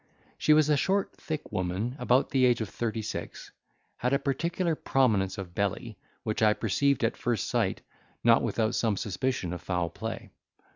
She was a short thick woman, about the age of thirty six, and had a particular prominence of belly, which I perceived at first sight, not without some suspicion of foul play.